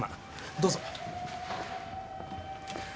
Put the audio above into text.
どうぞ。